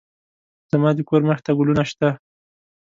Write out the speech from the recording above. زما د کور مخې ته ګلونه شته